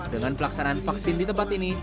dengan pelaksanaan vaksin di tempat ini